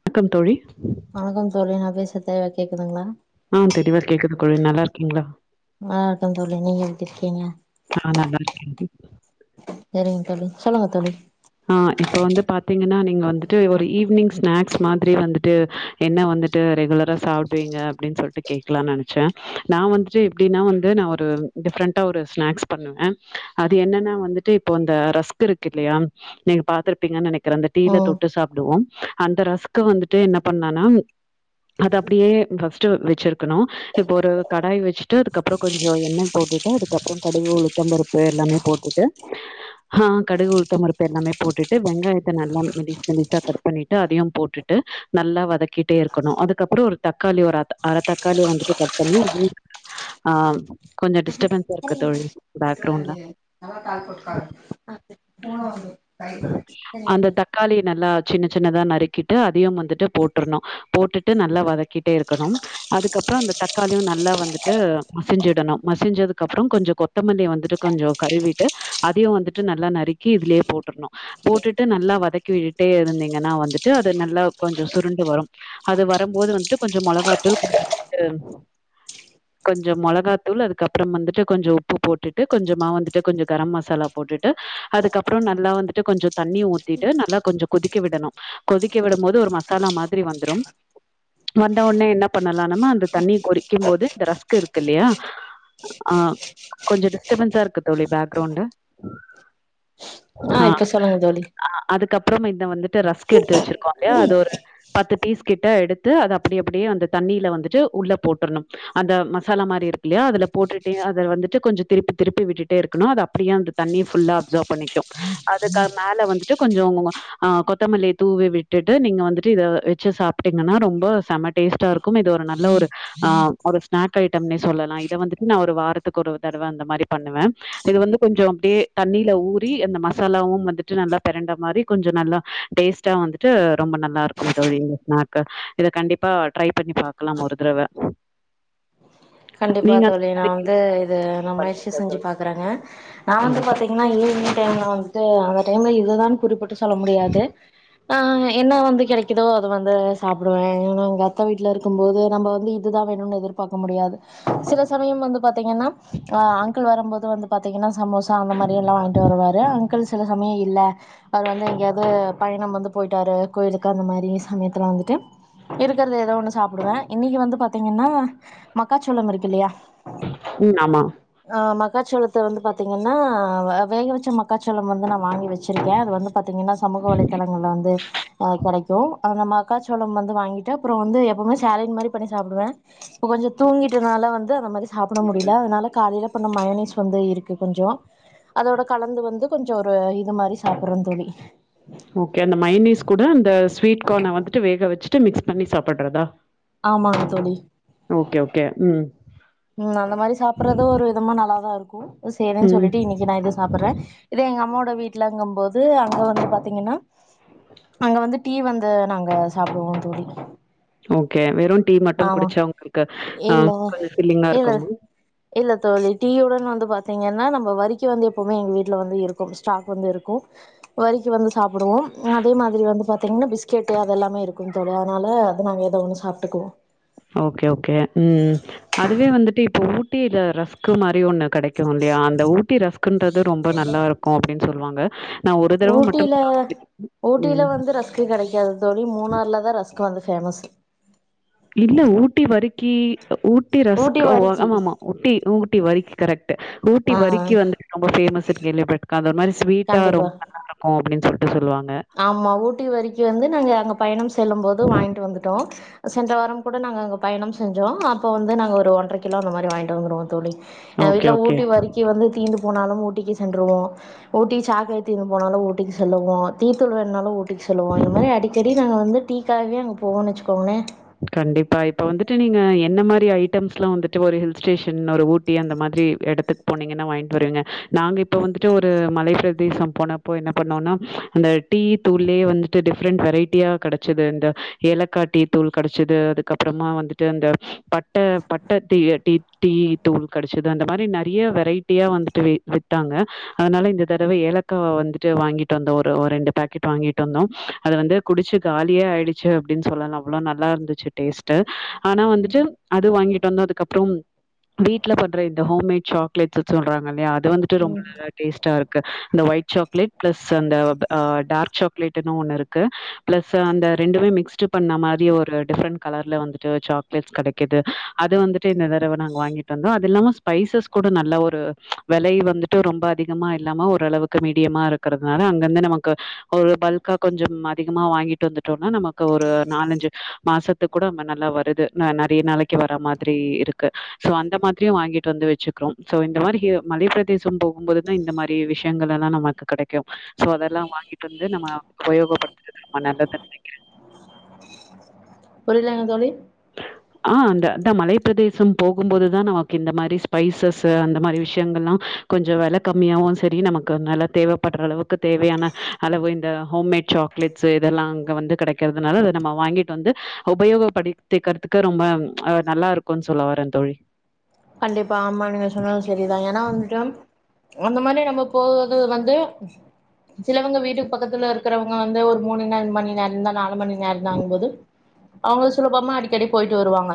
வணக்கம் தோழி வணக்கம் தோழி நா பேச தேவ கேக்குதுங்ளா ஆ தெளிவா கேக்குது தோழி நல்லா இருக்கீங்ளா நல்லா இருக்கோ தோழி நீங்க எப்டி இருக்கீங்க [inaudible] செரிங்க தோழி சொல்லுங்க தோழி ஆ இப்ப வந்து பாத்து பாத்தீங்கனா நீங்க வந்துட்டு ஒரு ஈவி்னிங் ஸ்நாக்ஸ் மாதிரி வந்துட்டு என்ன வந்துட்டு ரெகுலராக சாப்டுவீங்க அப்டின்னு சொலிட்டு கேட்கலானு நெனச்சே நா வந்துட்டு எப்டின்னா வந்து நா ஒரு டிப்ரெண்ட்டா ஒரு ஸ்நாக்ஸ் பண்ணுவே அது என்னன்னா வந்துட்டு இப்போ அந்த ரஸ்க் இருக்கு இல்லயா நீங்க பாத்துருப்பீங்கன்னு நெனைக் கிறா டீய்ல ம் தொட்டு சாப்டுவோ அந்த ரஸ்கு வந்துட்டு என்ன பண்ணானா அத அப்டியே பஸ்டு வச்சிருக்கணு இப்ப ஒரு கடாய் வச்சுட்டு அதுக்கப்றோ கொஞ்சோ எண்ண போட்டுட்டு அதுக்கப்றோ கடுகு உளுத்தம்பருப்பு எல்லாமே போட்டுட்டு ஆ கடுகு உளுத்தம்பருப்பு எல்லாமே போட்டுட்டு வெங்காயத்த நல்லா மெலிஸ் மெலிசா கட் பண்ணிட்டு அதயும் போட்டுட்டு நல்லா வதக்கிட்டே இருக்கணு அதுக்கப்றோ ஒரு தக்காளி ஒரு அர தக்காளி வந்துட்டு கட் பண்ணி ஆ கொஞ்சோ டிஸ்டபன்ஸ்ஸா இருக்கு தோழி பேக்ரவுன்ல அந்த தக்காளிய நல்லா சின்ன சின்னதா நறுக்கிட்டு அதயும் வந்துட்டு போட்டுரணு போட்டுட்டு நல்லா வதக்கிட்டே இருக்கணும் அதுக்கப்றோ அந்த தக்காளியு நல்லா வந்துட்டு மசிஞ்சுடணு மசிஞ்சதுக்கப்றோ கொஞ்ச கொத்தமல்லிய வந்துட்டு கொஞ்சோ கழுவிட்டு அதயு வந்துட்டு நல்லா நறுக்கி இதுலயே போட் போட்டுட்டு நல்லா வதக்கி விட்டுடே இருந்தீங்கனா வந்துட்டு அது நல்லா கொஞ்சோ சுருண்டு வரு அது வரும்போது வந்துட்டு கொஞ்சோ மொளகாத்தூள் கொஞ்சோ மொளகாத்தூள் அதுக்கப்றோம் வந்துட்டு கொஞ்சோ உப்பு போட்டுட்டு கொஞ்சமா வந்துட்டு கொஞ்சோ கரம் மசாலா போட்டுட்டு அதுக்கப்றோ நா வந்துட்டு கொஞ்சோ தண்ணிய ஊத்தீட்டு நல்லா கொஞ்சோ கொதிக்க விடனு கொதிக்க விடம்போது ஒரு மசாலா மாதிரி வந்துரும் வந்த ஒடனே என்னா பண்ணலா நம்ம அந்த தண்ணி கொதிக்கும் போது இந்த ரஸ்க் இருக்கு இல்லையா அ கொஞ்ச டிஸ்டபன்ஸ்ஸா இருக்கு தோழி பேக்ரவுண்டு ஆ இப்ப சொல்லுங்க தோழி அதுக்கப்புறம் இத வந்துட்டு ரஸ்க் எடுத்து வச்சிருக்கோ இல்லயா அது ஒரு பத்து பீஸ் கிட்ட எடுத்து அத அப்டி அப்டியே அந்த தண்ணியில வந்துட்டு உள்ள போட்ரணு அந்த மசாலா மாதிரி இருக்குல்லையா அதுல போட்டுட்டே அத வந்துட்டு கொஞ்சோ திருப்பி திருப்பி விட்டுட்டே இருக்கணு அது அப்டியே அந்த தண்ணி ஃபுல்லா அப்சர்வ் பண்ணிக்கு அதுக்கு மேல வந்துட்டு கொஞ்சோ ஆ கொத்தமல்லிய தூவி விட்டுட்டு நீங்க வந்துட்டு இத வச்சு சாப்ட்டீங்கன்னா ரொம்ப செம டேஸ்ட்டா இருக்கு இது ஒரு நல்ல ஒரு ஆ ஒரு ஸ்நாக் ஐட்டம்னே சொல்லலா இத வந்துட்டு நா ஒரு வாரத்துக்கு ஒரு தடவ அந்த மாதிரி பண்ணுவே இது வந்து கொஞ்சோ அப்டியே தண்ணீல ஊறி அந்த மசாலாம் வந்துட்டு நல்லா பெரண்ட மாரி கொஞ்சோ நல்லா டேஸ்ட்டா வந்துட்டு ரொம்ப நல்லா இருக்கும் தோழி இந்த ஸ்நாக்கு இத கண்டிப்பா ட்ரை பண்ணி பாக்கலா ஒரு தடவ கண்டிப்பா நீங்க அந்த தோழி நா மாரி வந்து இது நா முயற்சி பண்ணுவீங்களா செஞ்சு தோழி? பாக்குறேங்க நா வந்து கண்டிப்பா. பாத்தீங்கனா ஈவினிங் டைம்ல வந்து து அந்த டைம்ல இதுதான் குறிப்பிட்டு சொல்ல முடியாது ஆ என்னா வந்து கிடைக்கு இதோ அது வந்து சாப்டுவே ஏன்னா அங்க அத்த வீட்ல இருக்கும்போது நம்ம வந்து இது தா வேணும்னு எதிர்பாக்க முடியாது சில சமயம் வந்தப் பாத்தீங்கனா அங்கிள் வரும்போது வந்து பாத்தீங்கனா சமோசா அந்த மாதிரி எல்லா வாங்கிட்டு வருவாரு அங்கிள் சில சமய இல்ல அவர் வந்து எங்கேயாவது பயணம் வந்து போயிட்டாரு கோயிலுக்கு அந்த மாதிரி சமயத்துல வந்துட்டு இருக்கறத ஏதோ ஒன்னு சாப்டுவே இன்னைக்கு வந்து பாத்தீங்கனா மக்காச்சோளம் இருக்கு இல்லையா ம் ஆமா. ஆ ஆமா மக்காச்சோளத்த வந்து பாத்தீங்கன்னா வேக வெச்ச மக்காச்சோளம் வந்து நா வாங்கி வெச் வெச்சுருக்க அது வந்து பாத்தீங்கன்னா சமூக வலைதளங்கள்ல வந்து ஆ கெடைக்கு ஆ நம் அக்காச்சோளமா வந்து வாங்கிட்டு அப்புறோ வந்து எப்பமே சேலடு மாரி பண்ணி சாப்புடுவ இப்ப கொஞ்சோ தூங்கிட்டனால வந்து அந்த மாரிஸ் சாப்புட முடில அதனால காலைல இப்ப இந்த மயோனீஸ் வந்து இருக்கு கொஞ்சோ அதோட கலந்து வந்து கொஞ்சோ ஒரு இது மாரி சாப்புர்றந் தோழி ஓகே அந்த மய்னீஸ் கூட அந்த ஸ்வீட் கோன வந்துட்டு வேக வெச்சுட்டு மிக்ஸ் பண்ணி சாப்புடுறத் தா ஆமாங்க தோழி ஓகே ஓகே ம் ம் அந்த மாரி சாப்புர்றது ஒரு விதமா நல்லாதா இருக்கு சேரின் ம். சொல்லிட்டு இன்னிக்கு நா இத சாப்புர்ற இதே எங்க அம்மோடு ந்த வீட்லங்கும் போது அங்க வந்து பாத்தீங்கன்னா அங்க வந்து டீ வந் அத நாங்க சாப்புடுவோ தோழி ஓகே வெரூன் ஆமா இல்ல கொஞ்சம் ஃபில்லிங்கா இல்ல இருக்குமா? இல்ல தோழி டீயுடன் வந்து பாத்தீங்கன்னா நம் வ வரிக்கு வந்து எப்பமே எங்க வீட்ல வந்து இருக்கும் ஸ்டாக் வந்து இருக்கு வரிக்கு வந்து சாப்புடுவோ அதே மாதிரி வந்து பாத்தீங்கன்னா பிஸ்கெட்டு அது எல்லாமே இருக்கும் தோழி அதனால அது நாங்க எதோ ஒன்னு சாப்ட்டுக்குவோ ஓகே ஓகே ம் அதுவே வந்துட்டு இப்ப ஊட்டில ரஸ்க்கு மாரி ஒண்ணு கெடைக் தோழி அந்த ஊட்டி ரஸ்குன்றது ரொம்ப நல்லா இருக்கு அப்டின் சொல்வாங்க ஊட்டில ஊட்டில ம். வந்து ரஸ்க்கு கெடைக்காது தோழி மூணார்லதா ரஸ்க்கு வந்து ஃபேமஸ் இல்ல ஊட்டி வறுக்கி ஊட்டி ரஸ்க்கு ஓ ஆமாமா ஊட்டி ஊ ஊட்டி வறுக்கி கரெக் டு ஊட்டி ஆ வறுக்கி வந்து ரொம்போ ஃபேமஸ்ஸு [unintelligible] அது ஒரு மாரி ஸ்வீட்டா கண்டிப்பா ரொம்பா நல்லா இருக்கு அப்டின் சொல் சொல்லிட்டு ன்டு சொல்லுவாங் ஆமா ஊட்டி வரிக்கு வந்து நாங்க அங்க பயணம் செல்லும் போது வாங்கிட்டு வந்துட்டோ சென்ற வாரம் கூட நாங்க அங்க பயணம் செஞ்சோ அப்போ வந்து நாங்க ஒரு ஒன்ற கிலோ அந்த மாரி வாங்கிட்டு வந்துருவோ தோழி எங்க ஓகே வீட்ல ஓகே. ஊட்டி வரிக்கி வந்து தீந்து போனாலு ஊட்டிக்கு சென்றுவோ ஊட்டி சாக்லேட் தீந்து போனாலு ஊட்டிக்கு செல்லவோ தீத்தூள் வேணாலு ஊட்டி சொல்லுவோ இந்த மாரி அடிக்கடி நாங்கள் வந்து டீக்காவே அங்கே போவோனு வச்சிக்கோங்லே கண்டிப்பா இப்ப வந்துட்டு நீங்க என்ன மாரி ஐட்டம்ஸ் எல்லா வந்துட்டு ஒரு ஹில் ஸ்டேஷன் ஒரு ஊட்டி அந்த மாதிரி இடத்துக்கு போனீங்கன்னா வாங்ட்டு வருவீங்க நாங்க இப்ப வந்துட்டு ஒரு மலைப்ப பிரதேசம் போனப்போ என்ன பண்ணோன்னா அந்த டீ தூள்லே வந்துட்டு டிஃப்ரெண்ட் வெரைட்டியா கெடச்சிது இந்த ஏலக்கா டீ தூள் கடச்சது அதுக்கப்புறமா வந்துட்டு அந்த பட்ட பட்ட தியே டீ டீ தூள் கெடச்சது அந்த மாரி நெறைய வெரைட்டியா வந்துட்டு வி வித்தாங்க அதனால இந்த தரவ ஏலக்கா வந்துட்டு வாங்கிட்டு வந்தோ ஒரு ஒரு ரெண்டு பேக்கெட் வாங்கிட்டு வந்தோம் அது வந்து குடிச்சி காலியே ஆயிடுச்சி அப்பிடின்னு சொல்லலா அவ்ளோ நல்லா இருந்துச்சி டேஸ்ட் ஆனா வந்துட்டு அது வாங்கிட்டு வந்தோ அதுக்கப்புறம் வீட்டுல படுற இந்த ஹோம்மேட் சாக்லேட்ஸ் சொல்றாங்க இல்லயா இது வந்துட்டு ரொம்ப ம் நல்ல டேஸ்டா இருக் க்க அந்த ஒயிட் சாக்லேட் பிளஸ் அந்த அ டார்க் சாக்லேட்னு ஒண்ணு இருக்கு பிளஸ் அந்த ரெண்டுமே மிக்ஸ்ட் பண்ண மா ரியே ஒரு டிஃரண்ட கலர்ல வந்து சாக்லேட்ஸ் கெடைக்குது அது வந்துட்டு இந்த தரவ நா வாங்கிட்டு வந்தோ அது இல்லாம ஸ்பைசஸ் கூட நல்ல ஒரு விலை வந்துட்டு ரொம்ப அதிகமா இல்லாம ஒருரளவுக்கு மீடியமா இருக்கிறதுனால அங்கிருந்து நமக்கு ஒரு பல்க்கா கொஞ்சம் அதிகமா வாங்கிட்டு வந்துட்டோன்னா நமக்கு ஒரு நாலஞ்சி மாசத்து கூட நம்ம நல்லா வருது ந நெறைய நாளைக்கு வர மாதிரி இருக்கு சோ அந்த மாதிரியு வாங்கிட்டு வந்து வச்சுக்கிறோ சோ இந்த மாரி ஹி மலைப் பிரதேச போகும்போதுதா இந்த மாரி விஷயங்கள் எல்லா நமக்கு கிடைக்கு சோ அதெல்லா வாங்கிட்டு வந்து நம்ம உபயோகப்படுத்துறது நம்ம நல்லது நெனைக்கிறே புரியலங்க தோழி ஹ ஆ அந்த த மலைப்ப பிரதேசம் போகும்போதுதா நமக்கு இந்த மாரி ஸ்பைசஸ்ஸு அந்த மாரி விஷயங்கள்லா கொஞ்சோ வில கம்மியாகவு சரி நமக்கு நல்லா தேவைப்படுற அளவுக்கு தேவையான அளவு இந்த ஹோம்மேட் சாக்லேட்ஸ்ஸு இதெல்லா அங்க வந்து கெடைக்கிறதுனால அத நம்ம வாங்கிட்டு வந்து உபயோகப்படி திக்கிறதுக்கு ரொம்பஹ நல்லா இருக்குன்னு சொல்லவரே தோழி கண்டிப்பா ஆமா நீங்க சொன்னது சரிதா ஏன்னா வந்துட்டு அந்த மாரி நம்ம போறது வந்து சிலவங்க வீட்டுக்கு பக்கத்துல இருக்கிறவங்க வந்து ஒரு மூணு நே மணி நேரோந்தா நாலு மணி நேரோ தாங்குபோது அவங்க சுலபமா அடிக்கடி போயிட்டு வருவாங்க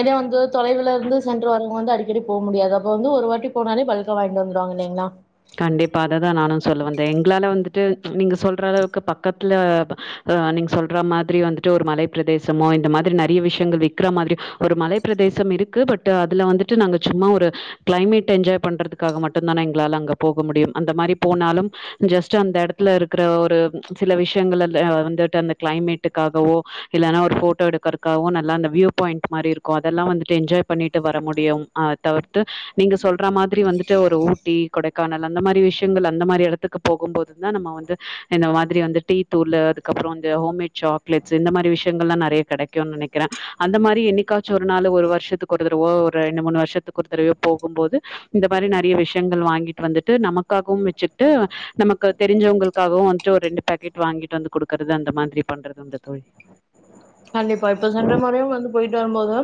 இதே வந்து தொலைவுல இருந்து சென் று வரும் போது வந்து அடிக்கடி போ முடியாது அப்ப வந்து ஒரு வாட்டி போனாலே ப்ல்க வாங்கிட்டு வந்துருவாங்க இல்லைங்களா கண்டிப்பா அததா நானு சொல்ல வந்தே எங்களால வந்துட்டு நீங்க சொல்ற அளவுக்கு பக்கத் ட்ல்ல ஆ நீங்க சொல்ற மாதிரி வந்துட்டு ஒரு மலைப்ப பிரதேசமோ இந்த மாதிரி நெறைய விஷயங்கள் விக்கற மாதிரி ஒரு மலைப்ப பிரதேசம் இருக்கு பட் அதுல வந்துட்டு நாங்க சும்மா ஒரு கிளைமேட் என்ஜாய் பண்றதுக்காக மட்டு தான எங்களால அங்க போக முடியு அந்த மாரி போனாலும் ஜஸ்ட் அந்த இடத்துல இருக்கிற ஒரு சில விஷயங்கள வந்துட்டு அந்த கிளைமேட்டுக்காகவோ இல்லைனா ஒரு போட்டோ எடுக்கறக்காகோ நல்லா அந்த வியூ பாயிண்ட் மாரி இருக்கு அதெல்லா வந்துட்டு என்ஜாய் பண்ணிட்டு வர முடியும் தவிர்த்து நீங்க சொல் ட்டற மாரி வந்துட்டு ஒரு ஊட்டி கொடை கானல் அந்த மாரி விஷயங்கள் அந்த மாரி இடத்துக்கு போகும் போதுதா நம்ம வந்து இந்த மாதிரி வந்துடு டீ தூள் அதுக்கப்புறம் வந்து ஹோம்மேட் சாக்லேட்ஸ் இந்த மாதிரி விஷயங்கள்லா நெறைய கெடைக்குனு நெனைக்கிறே அந்த மாரி எண்ணிக்காச்சு ஒரு நாள் ஒரு வருஷத்துக்கு ஒரு தரவோ ஒரு ரண்டு மூணு வருஷத்துக்கு ஒரு தரவியோ போகு போது இந்த மாரி நெறைய விஷயங்கள் வாங்கி ட்டு வந்துட்டு நமக்காகவும் வச்சுட்டு நமக்கு தெரிஞ்சவங்களுக்காகவு வந்துட்டு ஒரு ரெண்டு பேக்கெட் வாங்கிட்டு வந்து குடுக்கறது அந்த மாதிரி பண்றது இந்த தோழி கண்டிப்பா இப்ப சென்ற முறையும் வந்து போயிட்டு வரும்போது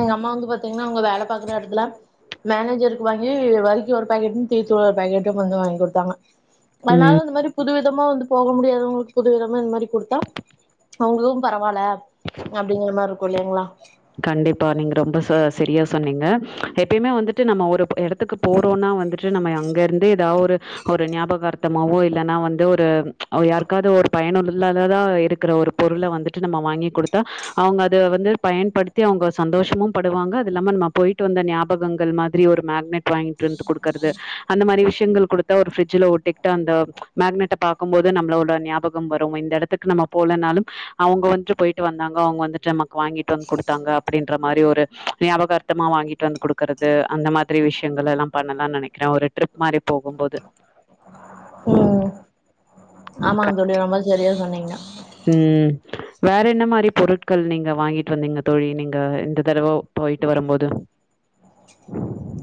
எங்க அம்மா வந்து பாத்தீங்கன்னா அவங்க வேல பாக்குற இடத்துல மேனேஜருக்கு வாங்கி வரிக்கு ஒரு பாக்கெட்டும் தீ தூள் ஒரு பாக்கெட்டும் வந்து வாங்கி குடுத்தாங்க ம். அனால இந்த மாரி புது வி த்தமா வந்து போக முடியாதவங்களுக்கு புதுவிதமா இந்த மாரி குடுத்தா அவுங்களு பரவால்ல அப்பிடிங்கிற மாரிக்கு இல்லைங்களா கண்டிப்பா நீங்க ரொம்ப ச சரியா சொன்னீங்க எப்பியுமே வந்துட்டு நம்ம ஒரு போ இடத்துக்கு போறோன்னா வந்துட்டு நம்ம அங்க இருந்து ஏதா ஒரு ஒரு ஞாபகர்த்தமாவோ இல்லன்னா வந்து ஒரு யாருக்காது ஒரு பயனுள்ளாலதா இருக்கிற ஒரு பொருள வந்துட்டு நம்ம வாங்கி குடுத்தா அவங்க அத வந்து பயன்படுத் த்தி அவங்க சந்தோஷமு படுவாங்க அது இல்லாம நம்ம போயிட்டு வந்த ஞாபகங்கள் மாதிரி ஒரு மேக்னெட் வாங்கிட்டு வந்து கொடுக்கறது அந்த மாரி விஷயங்கள் குடுத்தா ஒரு ஃப்ரிட்ஜ்ல ஒட்டிகிட்டு அந்த மேக்னெட்ட பாக்கும் போது நம்மளோட ஞாபகம் வரும் இந்த இடத்துக்கு நம்ம போலனாலு அவுங்க வந்ட்டு போயிட்டு வந்தாங்க அவங்க வந்துட்டு நமக்கு வாங்கிட்டு வந்து குடுத் த்தாங்க அப்பிடின்ற மாரி ஒரு ஞாபகர்த்தமா வாங்கிட்டு வந்து குடுக்கறது அந்த மாதிரி விஷயங்கள் எல்லா பண்ணலாம்னு நெனைக்கிறே ஒரு ட்ரிப் மாரி போகும்போது ம் சேரியா சொன்னீங்க ம் வேற என்ன மாரி பொருட்கள் நீங்க வாங்கிட்டு வந்தீங்க தோழி நீங்க இந்த தரவ போயிட்டு வரும்போது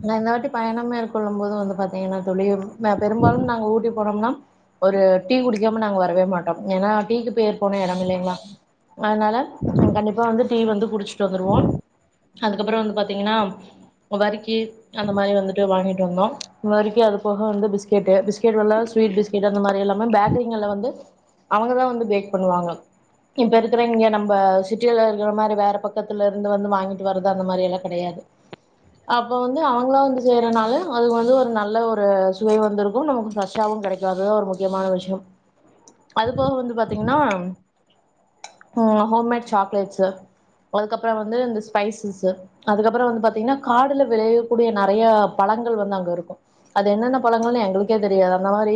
நா இந்த வாட்டி பயணம் மேற்கொள்ளும் போது வந்து பாத்தீங்கன்னா தோழி மெ பெரும்பாலு நாங்க ஊட்டி போனோம்னா ஒரு டீ குடிக்காம நாங்க வரவே மாட்டோ ஏன்னா டீக்கு பேர் போன இடம் இல்லிங்களா அனால கண்டிப்பா வந்து டீ வந்து குடிச் குடுச்சுட்டு வந்துருவோம் அதுக்கப்புறோ வந்து பாத்தீங்கன்னா வறுக்கி அந்த மாரி வந்துட்டு வாங்கிட்டு வந்தோ வறுக்கி அது போக வந்து பிஸ்கெட்டு பிஸ் பிஸ்கெட்டு வெல்லா ஸ்வீட் பிஸ்கெட் அந்த மாரி இல்லாம பேக்கரிங்கள்ல வந்து அவங்கதா வந்து பேக் பண்ணுவாங்க இப்ப இருக்குற இங்க நம்ப சிட்டியில இருக்குற மாரி வேற பக்கத்துல இருந்து வந்து வாங்கிட்டு வறது அந்த மாரி எல்லா கெடையாது அப் அப்போ வந்து அவங்களா வந்து செய்யறனால அதுக்கு வந்து ஒரு நல்ல ஒரு சுவை வந்து இருக்கு நமக்கு ஃப்ரெஷ்ஷாவு கெடைக்கு அதுதா ஒரு முக்கியமான விஷ்யோம் அது போக வந்து பாத்தீங் கன்னா அ ஹோம்மேட் சாக்லேட்ஸ்ஸு அதுக்கப்புறோ வந்து இந்த ஸ்பைசஸ்ஸு அதுக்கப்புறோ வந்து பாத்தீங்கன்னா காடுல விளையக்கூடிய நறையா பழங்கள் வந்து அங்க இருக்கு அது என்னென்ன பழங்கள்ன்னு எங்களு க்கே தெரியாது அந்த மாரி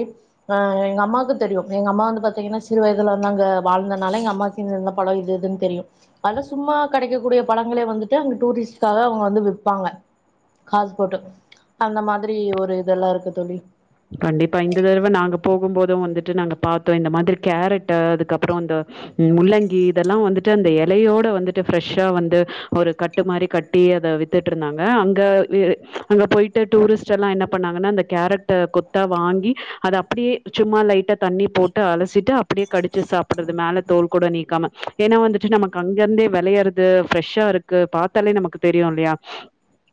ஆ எங்க அம்மாக்கு தெரியு எங்க அம்மா வந்து பாத்தீங்கன்னா சிறு வயிதுல வந்து அங்க வாழ்ந்தனால எங்க அம்மாக்கு இந்த இந்த பழோ இது இதுன் தெரியு அதா சும்மா கெடைக்கூடிய பழங்களே வந்துட்டு அங்க டூரிஸ்ட்காக அவங்க வந்து விப்பாங்க காஸ் போட்டு அந்த மாதிரி ஒரு இதெல்லா இருக்கு தோழி இது வந்துட்டு நாங்க பாத்தோ இந்த மாதிரி கேரட்டு அதுக்கப்புறோ அந்த முள்ளங்கி இதெல்லா வந்துட்டு அந்த எலையோட வந்துட்டு ஃப்ரெஷ்ஷா வந்து ஒரு கட்டு மாரி கட்டி அத வித்துட்டு இருந்தாங்க அங்க அங்க போய்ட்டு டூரிஸ்ட் எல்லா என்ன பண்ணாங்கன்னா அந்த கேரட் ட்ட கொத்தா வாங்கி அத அப்டியே சும்மா லைட்டா தண்ணி போட்டு அலசிட்டு அப்டியே கடுச்சு சாப்புடுறது மேல தோல் கூட நீக்காம ஏன்னா வந்துட்டு நமக்கு அங்க இருந்தே வெளையறது ஃப்ரெஷ்ஷா இருக்கு பாத்தாலே நமக்கு தெரியு இல்லையா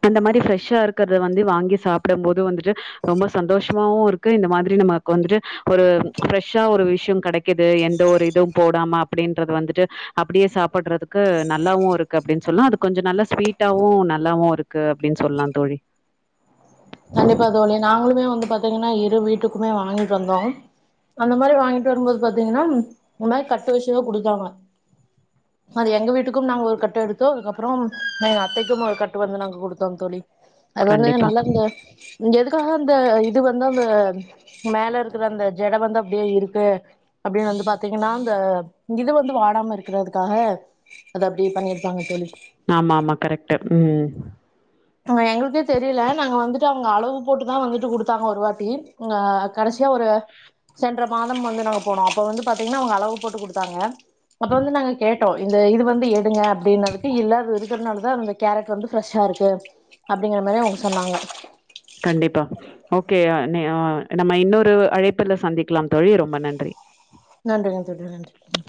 அந்த மாரி ஃப்ரெஷ்ஷா இருக்கறத வந்து வாங்கி சாப்டம் போது வந்துட்டு ரொம்பஸ் சந்தோஷமாவு இருக்கு இந்த மாதிரி நமக்கு வந்துட்டு ஒரு ஃப்ரெஷ்ஷா ஒரு விஷ்யோம் கெடைக்குது எந்த ஒரு இதும் போடாமா அப்டின்றது வந்துட்டு அப்டியே சாப்படுறதுக்கு நல்லாவு இருக்கு அப்டின் சொல்லா அது கொஞ்சோ நல்லா ஸ்வீட்டாவு நல்லாவு இருக்கு அப்டின் சொல்லாம் தோழி கண்டிப்பா தோழி நாங்களுமே வந்து பாத்தீங்கன்னா இரு வீட்டுக்குமே வாங்கிட்டு வந்தோ அந்த மாரி வாங்கிட்டு வரும்போது பாத்தீங்கன்னா இந்த மாரி கட்டு வெச்சுதா குடுத்தாங்க அது எங்க வீட்டுக்கும் நாங்க ஒரு கட்டு எடுத்தோ அதுக்கப்புறோ நா எங்க அத்தைக்கும் ஒரு கட்டு வந்து நாங்க குடுத்தோம் தோழி அது வந்து கண்டிப்பா நல்லா இருந்து இங்க எதுக்காக அந்த இது வந்து அந்த மேல இருக்குற அந்த ஜட வந்து அப்டியே இருக்கு அப்டின்னு வந்து பாத்தீங்கன்னா அந்த இது வந்து வாடாம இருக்குறதுக்காக அத அப்டி பண்ணிருக்காங்க தோழி ஆமா ஆமா கரெக்ட்டு ம் எங்களுக்கே தெரியில நாங்க வந்து டு அவங்க அளவு போட்டுதா வந்துட்டு குடுத்தாங்க ஒரு வாட்டி அ கடசியா ஒரு சென்ற மாதம் வந்து நாங்க போனோ அப்ப வந்து பாத்திங்கன்னா அவங்க அளவு போட்டு குடுத்தாங்க அப்ப வந்து நாங்க கேட்டோ இந்த இது வந்து எடுங்க அப்டினதுக்கு இல்ல அத இருக் இதனாலதா அந்த கேரட் வந்து ஃரெஷ்ஷா இருக்கு அப்டிங்குற மாரி அவங்க சொன்னாங்க கண்டிப்பா ஓகே நே நம்ம இன்னொரு அழைப்புல சந்திக்கலாம் தோழி ரொம்ப நன்றி நன்றி நன்றி தோழி நன்றி ம்